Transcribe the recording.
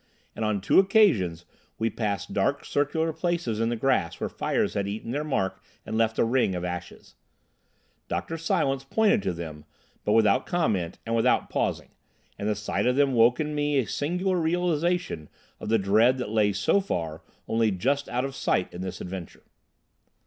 And on two occasions we passed dark circular places in the grass where fires had eaten their mark and left a ring of ashes. Dr. Silence pointed to them, but without comment and without pausing, and the sight of them woke in me a singular realisation of the dread that lay so far only just out of sight in this adventure.